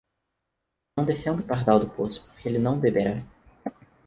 Não defenda o pardal do poço, porque ele não o beberá!